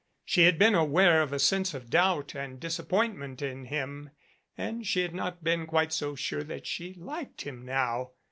She had been aware of a sense of doubt and disappointment in him and she had not been quite so sure that she liked him now.